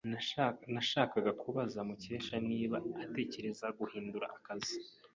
Nashakaga kubaza Mukesha niba atekereza guhindura akazi.